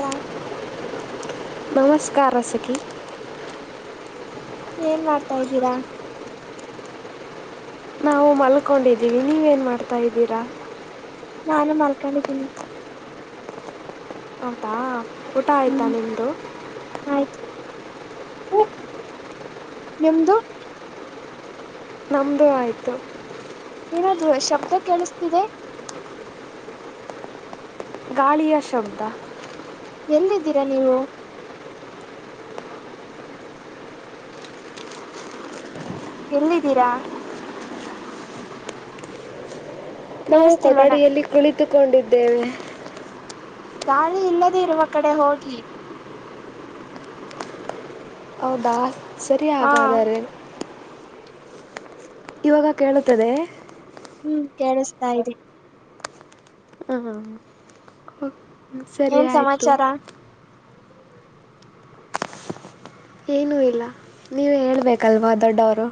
ಬಾ [unintelligible] ನಮಸ್ಕಾರ ಸಖಿ ಏನ್ ಮಾಡ್ತಾ ಇದ್ದೀರಾ? ನಾವು ಮಲ್ಕೊಂಡಿದ್ದೀವಿ ನೀವೇನು ಮಾಡ್ತಾ ಇದ್ದೀರಾ? ನಾನು ಮಲ್ಕೊಂಡಿದ್ದೀನಿ. ಹೌದಾ ಊಟ ಆಯ್ತಾ ಹ್ಮ್ ನಿಮ್ದು? ಆಯ್ತು [unintelligible] ನಿಮ್ದು? ನಮ್ಮದು ಆಯಿತು ಏನಾದೂ ಶಬ್ದ ಕೇಳಿಸ್ತಿದೆ? ಗಾಳಿಯ ಶಬ್ದ ಎಲ್ಲಿದ್ದೀರಾ ನೀವು? ಎಲ್ಲಿದ್ದೀರಾ? ನಾವು ಕೇಳಿಸ್ತಿಲ್ವನ ಕೊಠಡಿಯಲ್ಲಿ ಕುಳಿತುಕೊಂಡಿದ್ದೇವೆ. ಗಾಳಿ ಇಲ್ಲದೆೇ ಇರುವ ಕಡೆ ಹೋಗಿ. ಹೌದಾ ಸರಿ ಹಾ ಹಾಗಾದರೆ. ಇವಾಗ ಕೇಳುತ್ತದೆಯೇ? ಹ್ಮ್ ಕೇಳಿಸ್ತಾ ಇದೆ. ಹಾ ಸರಿ ಏನ್ ಆಯ್ತು. ಸಮಾಚಾರ ಏನು ಇಲ್ಲ ನೀವು ಹೇಳಬೇಕಲ್ವಾ ದೊಡ್ಡವರು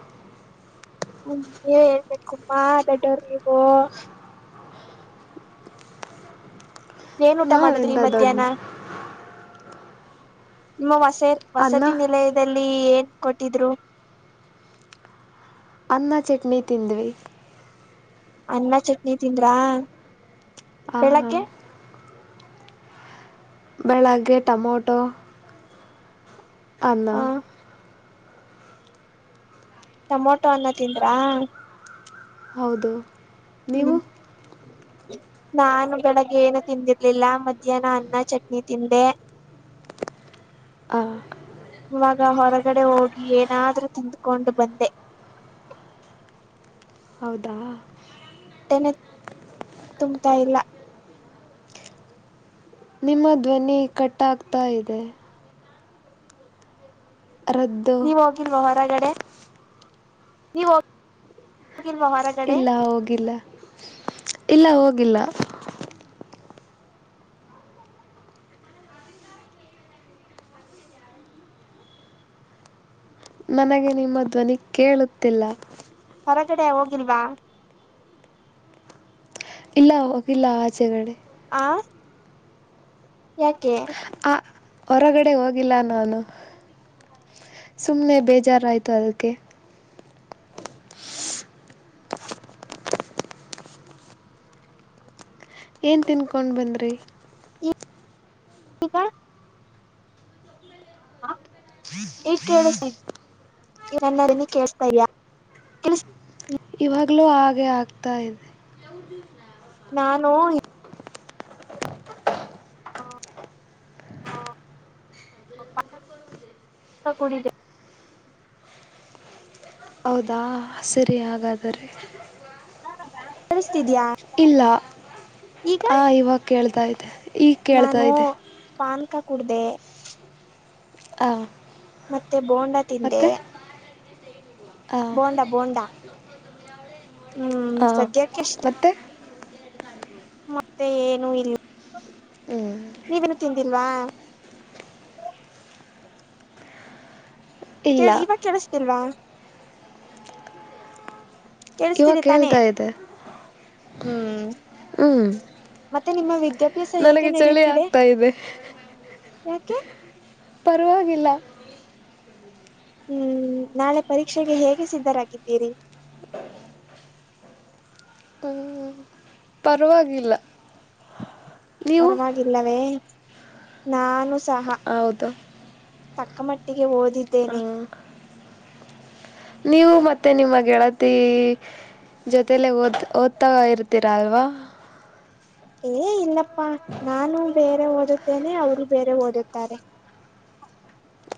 ಹ್ಮ ನೀವ್ ಹೇಳ್ಬೇಕಮ್ಮ ದಡ್ಡೋರ್ ನೀವು. ಏನ್ ಊಟ ಮಾಡುದ್ರಿ ನಾವೆಂತ ದೊಡ್ಡ ಮಧ್ಯಾಹ್ನ? ನಿಮ್ಮ ವಸ ಅನ್ನ -ವಸತಿ ನಿಲಯದ ದಲ್ಲಿ ಏನ್ ಕೊಟ್ಟಿದ್ರು? ಅನ್ನ ಚಟ್ನಿ ತಿಂದ್ವಿ. ಅನ್ನ ಚಟ್ನಿ ತಿಂದ್ರಾ. ಹಾ ಬೆಳಗ್ಗೆ ಬೆಳಗ್ಗೆ ಟೊಮೊಟೊ ಅನ್ನ ಹ ಟೊಮೊಟೊ ಅನ್ನ ತಿಂದ್ರಾ ಹೌದು ನೀವು ಹ್ಮ್ ನಾನು ಬೆಳಗ್ಗೆ ಏನು ತಿಂದಿರ್ಲಿಲ್ಲ ಮಧ್ಯಾಹ್ನ ಅನ್ನ ಚಟ್ನಿ ತಿಂದೆ ಆ ಇವಾಗ ಹೊರಗಡೆ ಹೋಗಿ ಏನಾದ್ರೂ ತಿಂದ್ಕೊಂಡು ಬಂದೆ ಹೌದಾ ಹೊಟ್ಟೆನೆ ತುಂಬ್ತಾ ಇಲ್ಲ ನಿಮ್ಮ ಧ್ವನಿ ಕಟ್ಟಾಗ್ತಾ ಇದೆ ರದ್ದ ನೀವ ಹೋಗಿಲ್ವಾ ಹೊರಗಡೆ ನೀವು ಹೋಗಿಲ್ವಾ ಹೊರಗ್ ಇಲ್ಲ ಹೋಗಿಲ್ಲ ಇಲ್ಲ ಹೋಗಿಲ್ಲ ನನಗೆ ನಿಮ್ಮ ಧ್ವನಿ ಕೇಳುತ್ತಿಲ್ಲ ಹೊರಗಡೆ ಹೋಗಿಲ್ವಾ ಇಲ್ಲ ಹೋಗಿಲ್ಲ ಆಚೆಗಡೆ ಆ ಯಾಕೆ ಆ ಹೊರಗಡೆ ಹೋಗಿಲ್ಲ ನಾನು ಸುಮ್ಮನೆ ಬೇಜಾರುಾಯಿತು ಅದಕ್ಕೆ ಏನು ತನ್ ಕೊಂಡ್ ಬಂದ್ರಿ [unintelligible] ಇಗ್ ಕೇಳ್ಸ್ತಾದೀಯ ನನ್ನ ದ್ವನಿ ಕೇಳ್ತಿದಿಯ ಇವಾಗಲೂ ಹಾಗೆ ಆಗ್ತಾ ಇದೆ ಕೆವ ದಿಸ ನ [unintelligible] ನಾನು ಹ ಕು [unintelligible] ಹೌದಾ ಸರಿ ಹಾಗಾದ್ರೆ ಕೇಳ್ಸ್ತಾದೀಯ ಇಲ್ಲ ಆ ಇವಾಗ ಕೇಳ್ತಾ ಇದೆ ಈಗ ಕೇಳ್ತಾ ನಾನು ಇದೆ ಪಾನ್ಕ ಕುಡ್ದೆ ಹಾ ಮತ್ತೆ ಬೋಂಡ ತಿಂದೆ ಹಾಂ ಬೋಂಡಾ ಬೋಂಡಾ ಹ್ಮ್ ಹಾಂ ಸದ್ಯಕ್ಕೆ ಇಷ್ಟೇ ಮತ್ತೆ ಮತ್ತೆ ಏನು ಇಲ್ಲ ಹ್ಞೂ ನೀವೇನು ತಿಂದಿಲ್ವಾ ಕ ಇಲ್ಲ ಇವಾಗ ಕೇಳಿಸತಿಲ್ವಾ ಇವಾಗ ಕೆಳ್ಸ್ತಿದೆ ತಾನೇ ಕೇಳ್ತಾ ಇದೆ ಹ್ಮ್ ಹ್ಮ್ ಮತ್ತೆ ನಿಮ್ಮ ವಿದ್ಯಾಭ್ಯಾಸ ಹೇಗೆ ನನಗೆ ಚಳಿ ನಡೆಯುತ್ತಿದೆ ಆಗ್ತಾ ಇದೆ ಯಾಕೆ ಪರವಾಗಿಲ್ಲ ಹ್ಮ್ ನಾಳೆ ಪರೀಕ್ಷೆಗೆ ಹೇಗೆ ಸಿದ್ಧರಾಗಿದ್ದೀರಿ ಹ್ಮ್, ಪರವಾಗಿಲ್ಲ ನೀವು ಪರವಾಗಿಲ್ಲವೇ ನಾನು ಸಹ. ಹೌದು ತಕ್ಕ ಮಟ್ಟ ಒಟ್ಟಿಗೆ ಆ, ಓದಿದ್ದೇನೆ. ನೀವು ಮತ್ತೆ ನಿಮ್ಮ ಗೆಳತಿ. ಜೊತಲ್ಲ ಓದ್ ಓದ್ತಾ ಇರ್ತೀರಾ ಅಲ್ವಾ. ಏ ಇಲ್ಲಪ್ಪಾ ನಾನು ಬೇರೆ ಓದುತ್ತೇನೆ. ಅವರು ಬೇರೆ ಓದುತ್ತಾರೆ.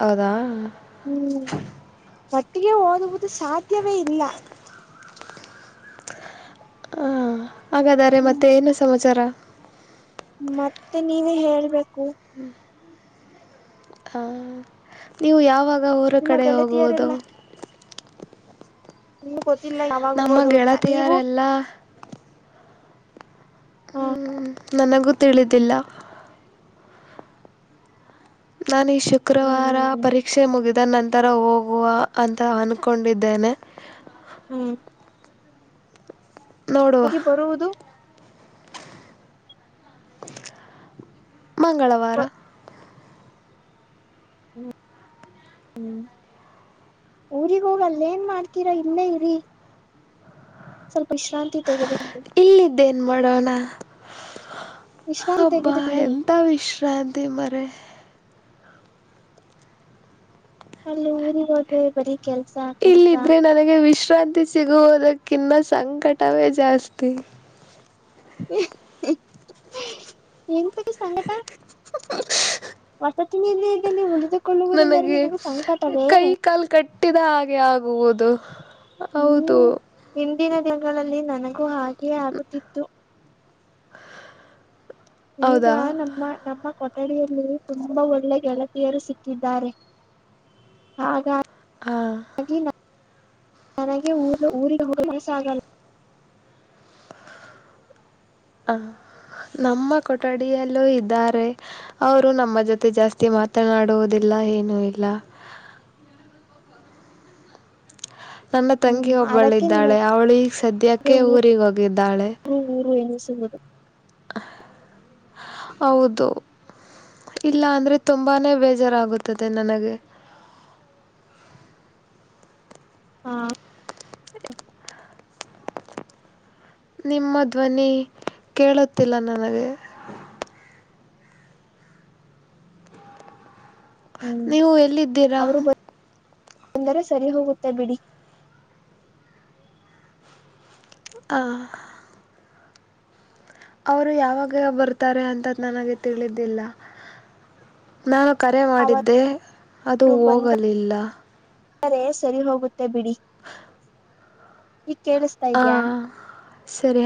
ಹೌದಾ. ಹ್ಮ್ ಒಟ್ಟಿಗೆ ಓದುವುದು ಸಾಧ್ಯವೇ ಇಲ್ಲ. ಹಾಂ ಹಾಗಾದರೆ ಹ್ಮ್ ಮತ್ತೆ ಏನು ಸಮಾಚಾರ. ಮತ್ತೆ ನೀವೇ ಹೇಳ್ಬೇಕು. ಹಾಂ ನೀವು ಯಾವಾಗ ಊರ ನಿಮ್ಮ ಕಡೆ ಹೋಗುವುದು. ಗೆಳತಿಯರೆಲ್ಲ ಇನ್ನು ಗೊತ್ತಿಲ್ಲ ಯಾವಾಗ [unintelligible] ಅಂತ ನೀವು. ಲಾ ಹ ನನಗೂ ತಿಳಿದಿಲ್ಲ. ನಾನ ಶುಕ್ರವಾರ ಹ್ಮ್ ಪರೀಕ್ ಕ್ಷೆ ಮುಗಿದ ನಂತರ ಹೋಗುವ ಅಂತ ಅನ್ಕೊಂಡಿದ್ದೇನೆ. ಹ್ಮ್. ನೋಡುವ ಹೋಗಿ ಬರುವುದು. ಮಂಗಳವಾರ. ಬ ಊರಿ ಹೋಗಿ ಅಲ್ಲೇ ಏನ್ ಮಾಡ್ತೀರಾ ಇಲ್ಲೇ ಇರಿ. ಸ್ವಲ್ಪ ವಿಶ್ರಾಂತಿ ತೆೆಗದುಕೊಂಡು. ಇಲ್ಲಿದ್ದೇನ್ ಮಾಡೋಣ ವಿಶ್ರಾಂತಿ ಹಬ್ಬ ತೆಗೆದುಕೊಳ್ಳಿ ಎಥ ವಿಶ್ರಾಂ ತಿ ಮರ್ಯಾ ಅಲ್ಲಿ ಊರಿಗಿ ಹೋದ್ರೆ ಬರೀ ಕೆಲ್ಸ. ಕೆಲ್ಸ ಇಲ್ಲಿದ್ದರೆ ನನಗೆ ವಿಶ್ರಾಂತಿ ಸಿಗುವುದಕ್ಕಿನ್ನ ಸಂಕಟವೇ ಜಾಸ್ತಿ. ಎಂತಕ್ಕೆ ಸಂಕಟ. [inaudible] [unintelligible] ನನಗೆ ನಿಮಗೆ ಸಂಕಟವೇ ಕೈ ಕಾಲು ಕಟ್ಟಿದ ಹಾಗೆ ಆಗುವುದು. ಹೌದು ಹ್ಮ್ ಹಿಂದಿನ ದಿನ್ಗಳಲ್ಲಿ ನನಗೂ ಹಾಗೇ ಆಗುತ್ತಿತ್ತು. ಈಗ ಹೌದಾ ನಮ್ಮ ನಮ್ಮ ಕೊ ಠಡಿಯಲ್ಲಿ ತುಂಬಾ ಒಳ್ಳೆ ಗೆಳತಿಯರು ಸಿಕ್ಕಿದ್ದಾರೆ. ಹಾಗ ಹಾಂ [unintelligible] ನನಗೆ ಊರಿಗೆ ಹೋಗಲು ಮನಸ್ ಆಗಲ್ಲ. ಹ ನಮ್ಮ ಕೊಠಡಿಯಲ್ಲೂ ಇದ್ದಾರೆ. ಅವರು ನಮ್ಮ ಜೊತೆ ಜಾಸ್ತಿ ಮಾತನಾಡುವುದಿಲ್ಲ ಏನು ಇಲ್ಲ. ನನ್ನ ಹ್ಮ್ ತಂಗಿ ಒಬ್ಬಳ ಅದಕ್ಕೆ ಇದ್ದಾಳೆ ನಿಮಗೆ ಅವಳು ಈಗ ಸದ್ಯಕ್ಕೆ ಊರಿಗೆ ಹೋಗಿದ್ದಾಳೆ. ಊರು ಊರು ಮೈಸೂರು. [inaudible] ಹೌದು ಇಲ್ಲ ಅಂದ್ರೆ ತುಂಬಾನೇ ಬೇಜಾರಾಗುತ್ತದೆ ನನಗೆ. ಹಾ. ನಿಮ್ಮ ಧ್ವನಿ ಕೇಳುತ್ತಿಲ್ಲ ನನಗೆ. ಹ್ಮ್ ನೀವು ಎಲ್ಲಿದ್ದೀರಾ. ಅಂದರೆ ಸರಿ ಹೋಗುತ್ತೆ ಬಿಡಿ. ಆ. ಅವರು ಯಾವಾಗ ಬರ್ತಾರೆ ಅಂತ ನನಗೆ ತಿಳಿದ್ದಿಲ್ಲ. ನಾನು ಕರೆ ಅವರು ಮಾಡಿದ್ದೆ ಅದು ಹೋಗಲಿಲ್ಲ. ಅದೆ ಸರಿ ಹೋಗುತ್ತೆ ಬಿಡಿ ಈಗ ಕೇಳಿಸ್ತಾ ಇದ್ಯಾ ಹಾಂ ಸರಿ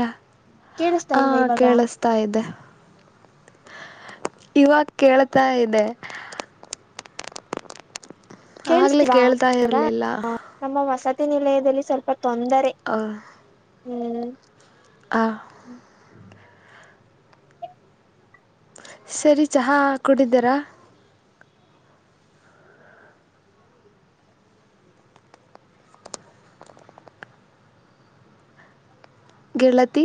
ಕೇಳಿಸ್ತ ಇಲ್ವಾ ಹಾಂ ಇವಾಗ ಕೇಳಿಸ್ತಾ ಇದೆ ಇವಾಗ ಕೇಳ್ತಾ ಇದೆ ಆಗಲೇ ಕೇಳಿಸ್ತಿಲ್ವ ಕೇಳ್ತಾ ಈಗ ಇರಲಿಲ್ಲ ನಮ್ಮ ವಸತಿ ನಿಲಯದಲ್ಲಿ ಸ್ವಲ್ಪ ತೊಂದರೆ ಆ ಹ್ಮ್ ಹಾ ಸರಿ ಚಹಾ ಕುಡಿದ್ದೀರಾ ಗೆಳತಿ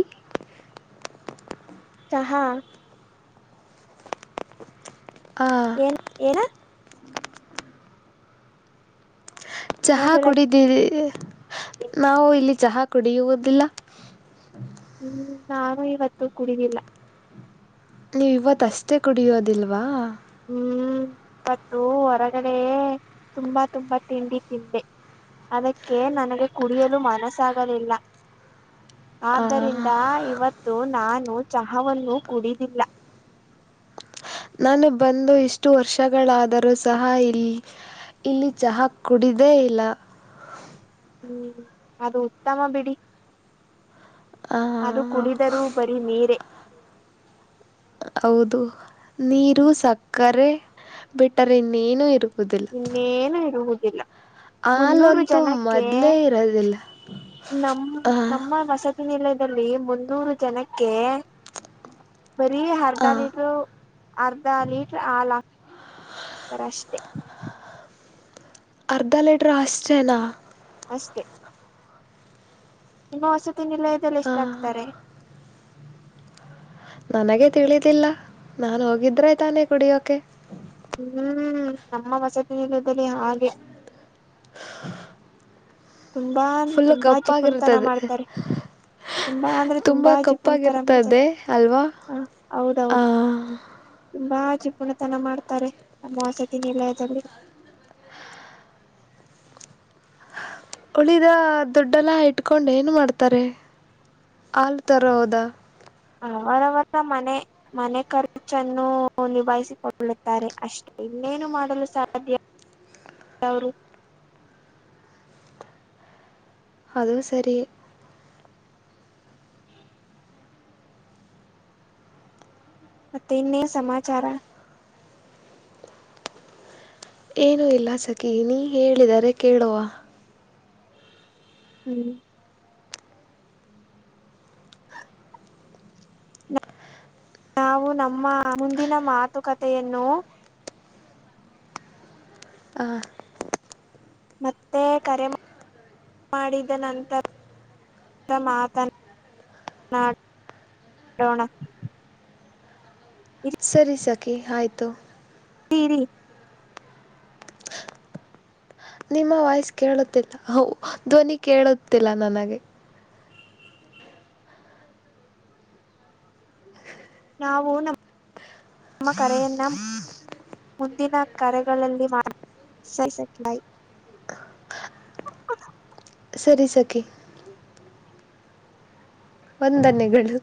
ಚಾಹ ಆ, ಏನ್ ಏನ ನಾ ಚಹಾ ಗೆಳತಿ ಕುಡಿದಿರಿ ನಾವು ಇಲ್ಲಿ ಚಹಾ ಕುಡಿಯುವುದಿಲ್ಲ ಹ್ಮ್ ನಾನು ಇವತ್ತು ಕುಡಿದಿಲ್ಲ ನೀವು ಇವತ್ ಅಷ್ಟೇ ಕುಡಿಯೋದಿಲ್ವಾ ಹ್ಮ್ ಇವತ್ತು ಹೊರಗಡೆ ತುಂಬಾ ತುಂಬಾ ತಿಂಡಿ ತಿಂದೆ ಅದಕ್ಕೆ ನನಗೆ ಕುಡಿಯಲು ಮನಸ್ಸಾಗಲಿಲ್ಲ ಆದ್ದರಿಂದ ಇವತ್ತು ನಾನು ಚಹಾವನ್ನು ಕುಡಿದಿಲ್ಲ ನಾನು ಬಂದು ಇಷ್ಟು ವರ್ಷಗಳಾದರೂ ಸಹ ಇಲ್ಲಿ ಇಲ್ಲಿ ಚಹಾ ಕುಡಿದೇ ಇಲ್ಲ ಹ್ಮ್ ಅದು ಉತ್ತಮ ಬಿಡಿ ಅದು ಕುಡಿದರೂ ಬರೀ ನೀರೇ ಹೌದು ನೀರು ಸಕ್ಕರೆ ಬಿಟ್ಟರೆ ಇನ್ನೇನು ಇರುವುದಿಲ್ಲ ಇನ್ನೇನು ಇರುವುದಿಲ್ಲ ಮುನ್ನೂರು ಹಾಲಂತೂ ಜನಕ್ಕೆ ಮೊದಲೇ ಇರೋದಿಲ್ಲ ನಮ್ಮ ನಮ್ಮ ವಸತಿ ನಿಲಯದಲ್ಲಿ ಮುನ್ನೂರು ಜನಕ್ಕೆ ಬರೀ ಅರ್ಧ ಲೀಟ್ರ ಅರ್ಧ ಲೀಟ್ರ ಹಾಲ್ ಹಾಕ್ ಹಾಕ್ತಾರೆ ಅಷ್ಟೇ. ಅರ್ಧ ಲಿಟರ್ ಆಷ್ಟೇನಾ. ಅಷ್ಟೇ ನಿಮ್ಮ ವಸತಿ ನಿಲಯದಲ್ಲಿ ಎಷ್ಟು ಆಕ್ತಾರೆ. ನನಗೆ ತಿಳಿದಿಲ್ಲ ನಾನು ಹೋಗಿದ್ರೆ ತಾನೇ ಕುಡಿಯೋಕೆ. ಹ್ಮ್ ನಮ್ಮ ವಸತಿ ನಿಲಯದಲ್ಲಿ ಹಾಗೆ. [inaudible] ತುಂಬಾ ಫುಲ್ಲು ತುಂಬಾ ಚಿಪುಣತನ ಕಪ್ಪಾಗಿರ್ತದೆ ಮಾಡ್ತಾರೆ. ತುಂಬಾ ಅಂದ್ರೆ ತುಂಬ ತುಂಬಾ ಜಿಪುಣತನ ಮಾಡ್ತಾರೆ ಕಪ್ಪಾಗಿರ್ತದೆ ಅಲ್ವಾ ಹ ಹೌದು ಹೌದು ತುಂಬಾ ಜಿಪುಣತನ ಮಾಡ್ತಾರೆ ನಮ್ಮ ವಸತಿ ನಿಲಯದಲ್ಲಿ. ಉಳಿದ ದುಡ್ಡೆಲ್ಲ ಇಟ್ಕೊಂಡು ಏನು ಮಾಡ್ತಾರೆ ಹಾಲು ತರೊದಾ ಅವರವರ ಮನೆ. ಮನೆ ಖರ್ಚನ್ನು ನಿಭಾಯಿಸಿಕೊಳ್ಳುತ್ತಾರೆ ಅಷ್ಟೇ ಇನ್ನೇನು ಮಾಡಲು ಸಾಧ್ಯ. ಅವರು ಅದು ಸರಿ ಮತ್ತೆ ಇನ್ನೇನ್ ಸಮಾಚಾರ ಏನುೂ ಇಲ್ಲ ಸಖಿ ನೀ ಹೇಳಿದರೆ ಕೇಳುವ ಹ್ಮ್ ನಾವು ನಮ್ಮ ಮುಂದಿನ ಮಾತುಕತೆಯನ್ನು ಹಾಂ ಮತ್ತೆ ಕರೆ ಮಾಡಿದ ನಂತರ ಇ ಮಾತನ್ ನ ನಡೋಣ [unintelligible] ಸರಿ ಸಖಿ ಆಯಿತು ತೀರಿ ನಿಮ್ಮ ವಾಯ್ಸ್ ಕೇಳುತ್ತಿಲ್ಲ ಹ ಧ್ವನಿ ಕೇಳುತ್ತಿಲ್ಲ ನನಗೆ ನಾವು ನಮ್ಮ ನಮ್ಮ ಕರೆಯನ್ನ ಮುಂದಿನ ಕರೆಗಳಲ್ಲಿ ಮಾತಾಡೋಣ ಸರಿ ಸರಿ ಬಾಯ್ ಹ ಸರಿ ಸಖಿ ವಂದನೆಗಳು